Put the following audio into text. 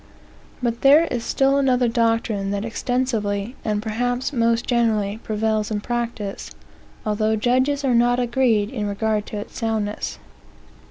But there is still another doctrine that extensively, and perhaps most generally, prevails in practice, although judges are not agreed in regard to its soundness.